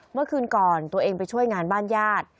เมื่อคืนก่อนตัวเองไปช่วยงานบ้านญาติ